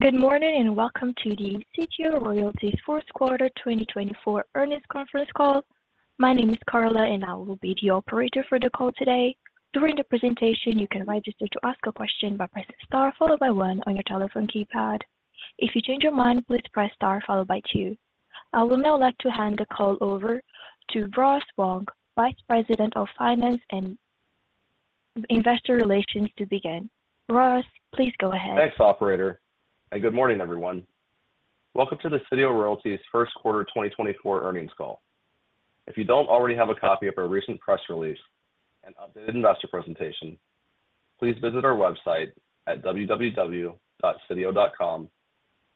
Good morning, and welcome to the Sitio Royalties First Quarter 2024 Earnings Conference Call. My name is Carla, and I will be the operator for the call today. During the presentation, you can register to ask a question by pressing star followed by 1 on your telephone keypad. If you change your mind, please press star followed by 2. I would now like to hand the call over to Ross Wong, Vice President of Finance and Investor Relations, to begin. Ross, please go ahead. Thanks, operator, and good morning, everyone. Welcome to the Sitio Royalties' First Quarter 2024 Earnings Call. If you don't already have a copy of our recent press release and updated investor presentation, please visit our website at www.sitio.com,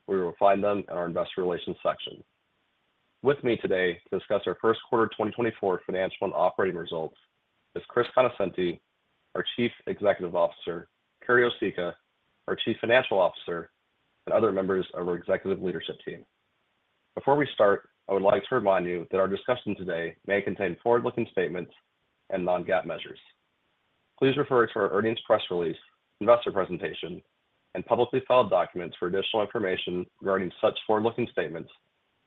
where you will find them in our Investor Relations section. With me today to discuss our first quarter 2024 financial and operating results is Chris Conoscenti, our Chief Executive Officer, Carrie Osicka, our Chief Financial Officer, and other members of our executive leadership team. Before we start, I would like to remind you that our discussion today may contain forward-looking statements and non-GAAP measures. Please refer to our earnings press release, investor presentation, and publicly filed documents for additional information regarding such forward-looking statements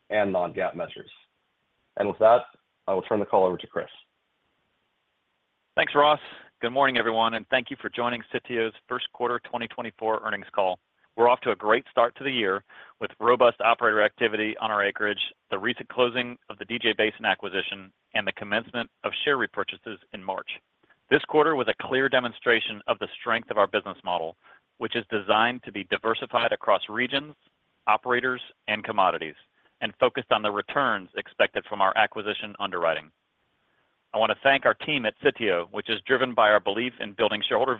and non-GAAP measures. With that, I will turn the call over to Chris. Thanks, Ross. Good morning, everyone, and thank you for joining Sitio's First Quarter 2024 Earnings Call. We're off to a great start to the year with robust operator activity on our acreage, the recent closing of the DJ Basin acquisition, and the commencement of share repurchases in March. This quarter was a clear demonstration of the strength of our business model, which is designed to be diversified across regions, operators, and commodities, and focused on the returns expected from our acquisition underwriting. I want to thank our team at Sitio, which is driven by our belief in building shareholder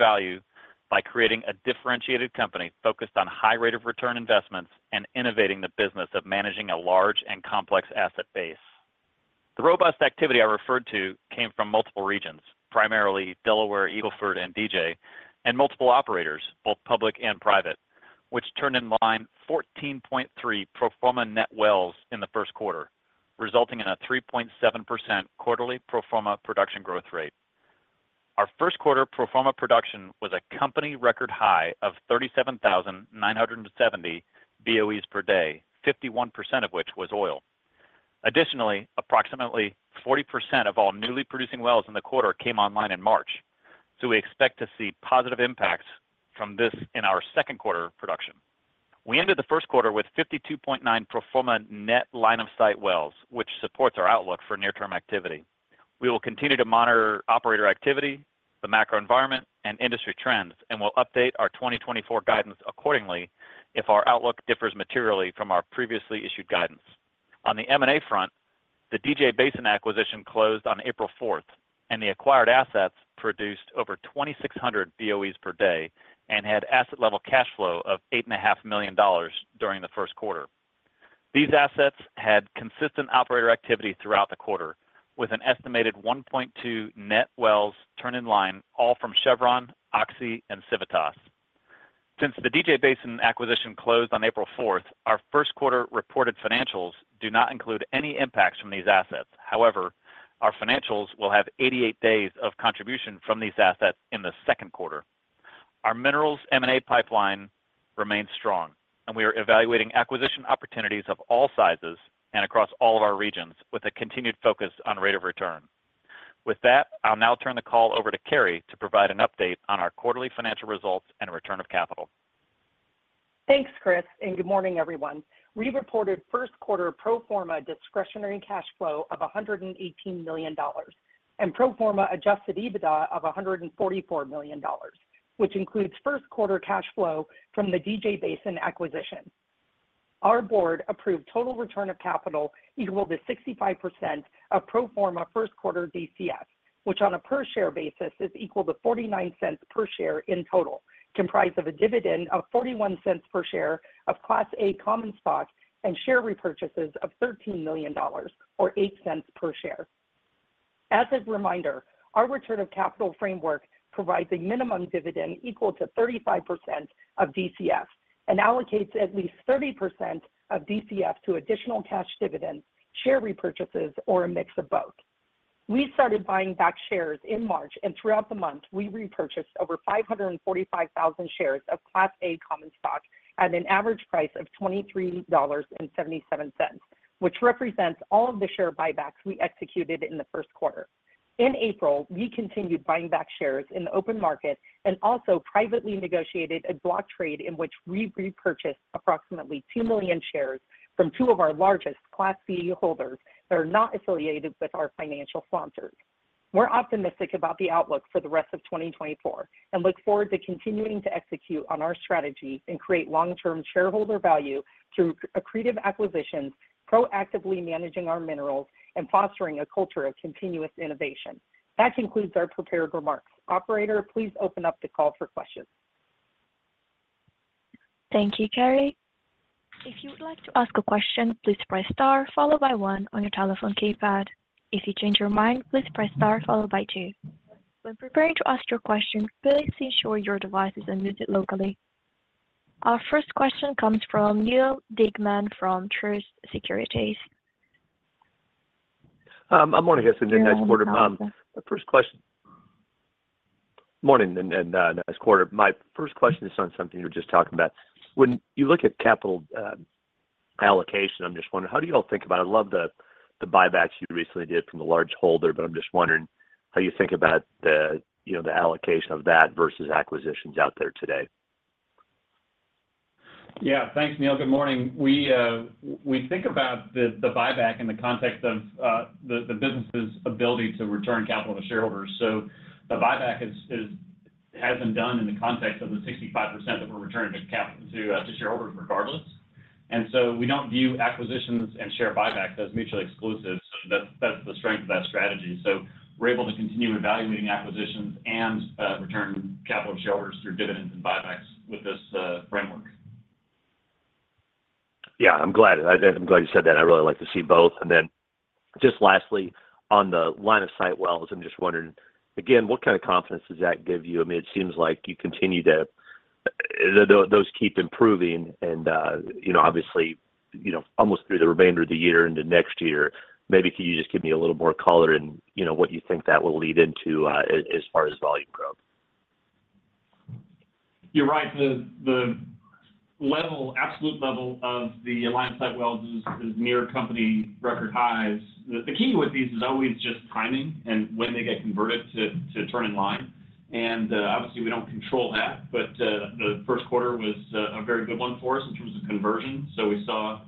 value by creating a differentiated company focused on high rate of return investments and innovating the business of managing a large and complex asset base. The robust activity I referred to came from multiple regions, primarily Delaware, Eagle Ford, and DJ, and multiple operators, both public and private, which turned in 14.3 pro forma net wells in the first quarter, resulting in a 3.7% quarterly pro forma production growth rate. Our first quarter pro forma production was a company record high of 37,970 BOEs per day, 51% of which was oil. Additionally, approximately 40% of all newly producing wells in the quarter came online in March, so we expect to see positive impacts from this in our second quarter production. We ended the first quarter with 52.9 pro forma net line of sight wells, which supports our outlook for near-term activity. We will continue to monitor operator activity, the macro environment, and industry trends, and will update our 2024 guidance accordingly if our outlook differs materially from our previously issued guidance. On the M&A front, the DJ Basin acquisition closed on April fourth, and the acquired assets produced over 2,600 BOEs per day and had asset level cash flow of $8.5 million during the first quarter. These assets had consistent operator activity throughout the quarter, with an estimated 1.2 net wells turned in line, all from Chevron, Oxy, and Civitas. Since the DJ Basin acquisition closed on April 4th, our first quarter reported financials do not include any impacts from these assets. However, our financials will have 88 days of contribution from these assets in the second quarter. Our minerals M&A pipeline remains strong, and we are evaluating acquisition opportunities of all sizes and across all of our regions with a continued focus on rate of return. With that, I'll now turn the call over to Carrie to provide an update on our quarterly financial results and return of capital. Thanks, Chris, and good morning, everyone. We reported first quarter pro forma discretionary cash flow of $118 million and pro forma adjusted EBITDA of $144 million, which includes first quarter cash flow from the DJ Basin acquisition. Our board approved total return of capital equal to 65% of pro forma first quarter DCF, which on a per share basis is equal to $0.49 per share in total, comprised of a dividend of $0.41 per share of Class A common stock and share repurchases of $13 million, or $0.08 per share. As a reminder, our return of capital framework provides a minimum dividend equal to 35% of DCF and allocates at least 30% of DCF to additional cash dividends, share repurchases, or a mix of both. We started buying back shares in March, and throughout the month, we repurchased over 545,000 shares of Class A common stock at an average price of $23.77, which represents all of the share buybacks we executed in the first quarter. In April, we continued buying back shares in the open market and also privately negotiated a block trade in which we repurchased approximately 2 million shares from two of our largest Class B holders that are not affiliated with our financial sponsors. We're optimistic about the outlook for the rest of 2024 and look forward to continuing to execute on our strategy and create long-term shareholder value through accretive acquisitions, proactively managing our minerals, and fostering a culture of continuous innovation. That concludes our prepared remarks. Operator, please open up the call for questions. Thank you, Carrie. If you would like to ask a question, please press star followed by 1 on your telephone keypad. If you change your mind, please press star followed by 2. When preparing to ask your question, please ensure your device is unmuted locally. Our first question comes from Neal Dingmann from Truist Securities. ... Morning, guys, and nice quarter. My first question is on something you were just talking about. When you look at capital allocation, I'm just wondering, how do you all think about it? I love the buybacks you recently did from the large holder, but I'm just wondering how you think about the, you know, the allocation of that versus acquisitions out there today. Yeah. Thanks, Neal. Good morning. We think about the buyback in the context of the business's ability to return capital to shareholders. So the buyback is, has been done in the context of the 65% that we're returning capital to shareholders regardless. And so we don't view acquisitions and share buybacks as mutually exclusive. So that's the strength of that strategy. So we're able to continue evaluating acquisitions and return capital to shareholders through dividends and buybacks with this framework. Yeah, I'm glad. I'm glad you said that. I really like to see both. And then just lastly, on the line of sight wells, I'm just wondering, again, what kind of confidence does that give you? I mean, it seems like you continue to... Those, those keep improving and, you know, obviously, you know, almost through the remainder of the year into next year. Maybe can you just give me a little more color in, you know, what you think that will lead into, as far as volume growth? You're right. The absolute level of the line of sight wells is near company record highs. The key with these is always just timing and when they get converted to turn in line. And obviously, we don't control that, but the first quarter was a very good one for us in terms of conversion. So we saw,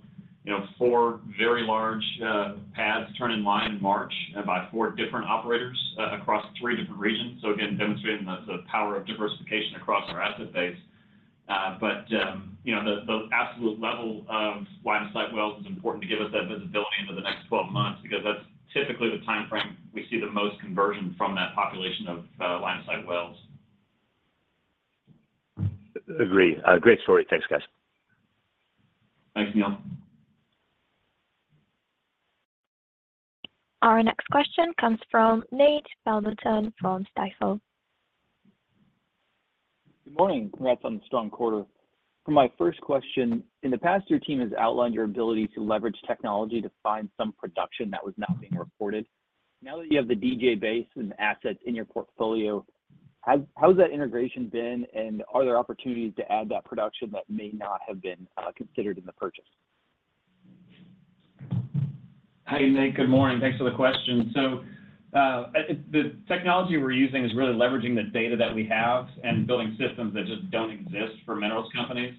you know, 4 very large pads turn in line in March, and by 4 different operators across 3 different regions. So again, demonstrating the power of diversification across our asset base. But you know, the absolute level of line of sight wells is important to give us that visibility into the next 12 months, because that's typically the timeframe we see the most conversion from that population of line of sight wells. Agree. Great story. Thanks, guys. Thanks, Neal. Our next question comes from Nate Pendleton from Stifel. Good morning. Congrats on the strong quarter. For my first question, in the past, your team has outlined your ability to leverage technology to find some production that was not being reported. Now that you have the DJ Basin and assets in your portfolio, how has that integration been? And are there opportunities to add that production that may not have been considered in the purchase? Hi, Nate. Good morning. Thanks for the question. So, the technology we're using is really leveraging the data that we have and building systems that just don't exist for minerals companies.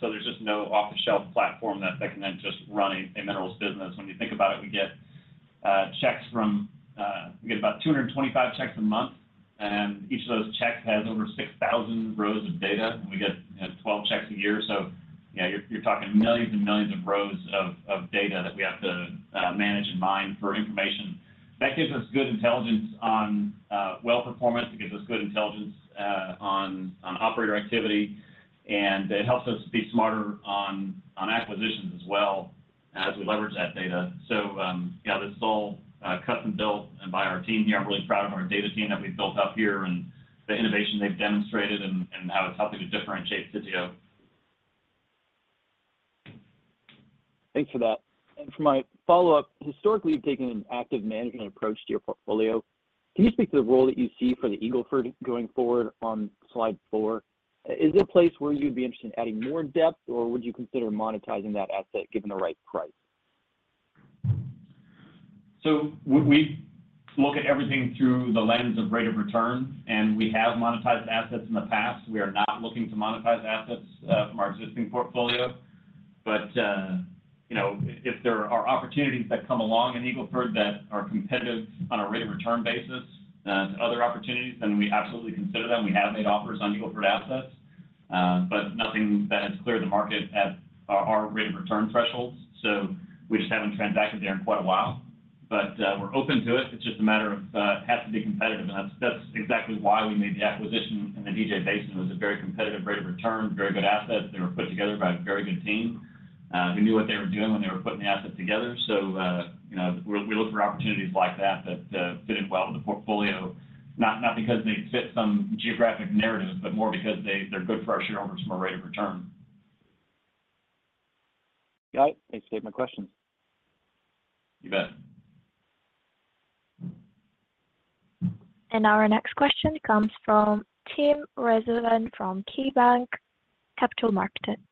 So, there's just no off-the-shelf platform that can then just run a minerals business. When you think about it, we get checks from, we get about 225 checks a month, and each of those checks has over 6,000 rows of data, and we get, you know, 12 checks a year. So, you know, you're talking millions and millions of rows of data that we have to manage in mind for information. That gives us good intelligence on well performance. It gives us good intelligence on operator activity, and it helps us be smarter on acquisitions as well as we leverage that data. So, yeah, this is all cut and built by our team here. I'm really proud of our data team that we've built up here and the innovation they've demonstrated and how it's helping to differentiate Sitio. Thanks for that. For my follow-up, historically, you've taken an active management approach to your portfolio. Can you speak to the role that you see for the Eagle Ford going forward on slide four? Is it a place where you'd be interested in adding more depth, or would you consider monetizing that asset, given the right price? So we look at everything through the lens of rate of return, and we have monetized assets in the past. We are not looking to monetize assets from our existing portfolio. But you know, if there are opportunities that come along in Eagle Ford that are competitive on a rate of return basis to other opportunities, then we absolutely consider them. We have made offers on Eagle Ford assets, but nothing that has cleared the market at our rate of return thresholds. So we just haven't transacted there in quite a while. But we're open to it. It's just a matter of it has to be competitive. And that's exactly why we made the acquisition in the DJ Basin. It was a very competitive rate of return, very good assets. They were put together by a very good team who knew what they were doing when they were putting the assets together. So, you know, we look for opportunities like that that fit in well with the portfolio, not because they fit some geographic narrative, but more because they're good for our shareholders from a rate of return. Got it. Thanks for taking my questions. You bet. Our next question comes from Tim Rezvan from KeyBanc Capital Markets.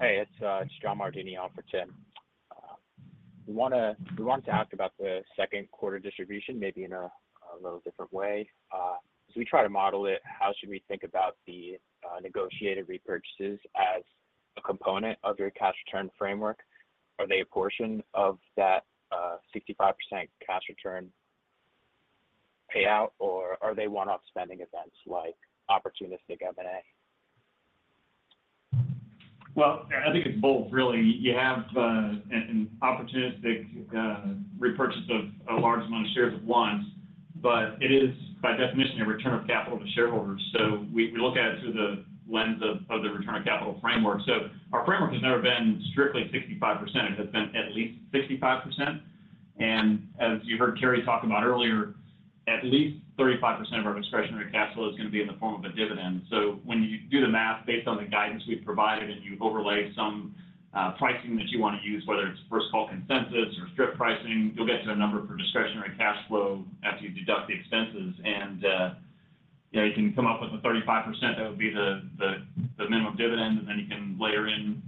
Hey, it's John Martini on for Tim. We wanted to ask about the second quarter distribution, maybe in a little different way. As we try to model it, how should we think about the negotiated repurchases as a component of your cash return framework? Are they a portion of that 65% cash return payout, or are they one-off spending events like opportunistic M&A? Well, I think it's both, really. You have, an opportunistic, repurchase of, a large amount of shares at once, but it is, by definition, a return of capital to shareholders. So we look at it through the lens of the return of capital framework. So our framework has never been strictly 65%. It has been at least 65%, and as you heard Carrie talk about earlier, at least 35% of our discretionary capital is gonna be in the form of a dividend. So when you do the math, based on the guidance we've provided, and you overlay some pricing that you wanna use, whether it's First Call consensus or strip pricing, you'll get to a number for discretionary cash flow after you deduct the expenses. You know, you can come up with a 35%, that would be the minimum dividend, and then you can layer in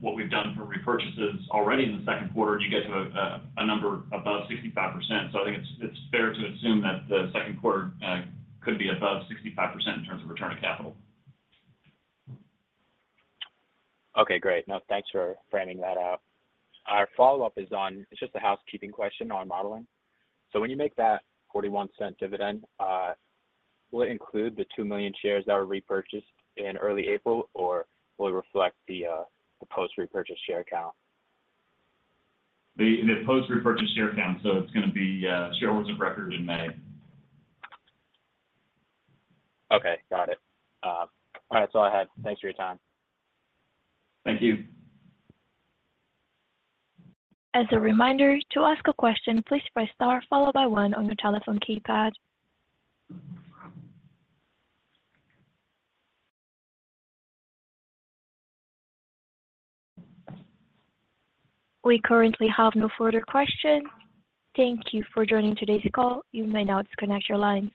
what we've done for repurchases already in the second quarter, and you get to a number above 65%. So I think it's fair to assume that the second quarter could be above 65% in terms of return of capital. Okay, great. Now, thanks for framing that out. Our follow-up is on... It's just a housekeeping question on modeling. So when you make that $0.41 dividend, will it include the 2 million shares that were repurchased in early April, or will it reflect the post-repurchase share count? The post-repurchase share count, so it's gonna be shareholders of record in May. Okay, got it. All right, that's all I had. Thanks for your time. Thank you. As a reminder, to ask a question, please press star followed by one on your telephone keypad. We currently have no further questions. Thank you for joining today's call. You may now disconnect your line.